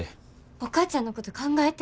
お母ちゃんのこと考えて。